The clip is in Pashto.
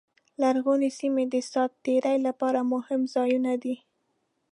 لرغونې سیمې د ساعت تېرۍ لپاره مهم ځایونه دي.